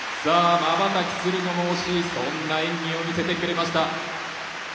まばたきする間もおしいそんな演技を見せてくれました。